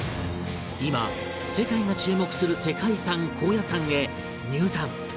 今世界が注目する世界遺産高野山へ入山